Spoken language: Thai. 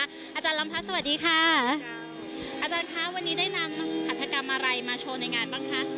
อาจารย์ลำพัฒน์สวัสดีค่ะอาจารย์คะวันนี้ได้นำหัฐกรรมอะไรมาโชว์ในงานบ้างคะ